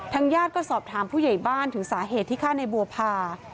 ญาติก็สอบถามผู้ใหญ่บ้านถึงสาเหตุที่ฆ่าในบัวพา